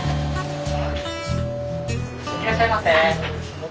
いらっしゃいませ。